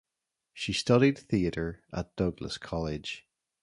She studied theatre at Douglas College.